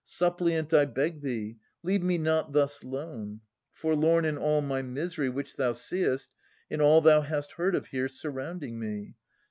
Suppliant I beg thee, leave me not thus lone. Forlorn in all my misery which thou seest. In all thou hast heard of here surrounding me